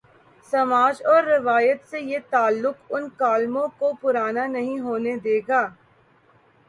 سماج اور روایت سے یہ تعلق ان کالموں کوپرانا نہیں ہونے دے گا۔